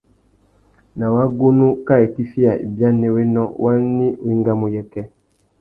Ná wagunú kā itifiya ibianéwénô, wani wá engamú uyêkê? .